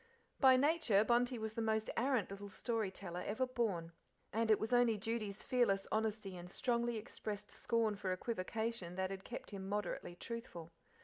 By nature Bunty was the most arrant little storyteller ever born, and it was only Judy's fearless honesty and strongly expressed scorn for equivocation that had kept him moderately truthful.